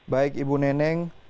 baik ibu nenek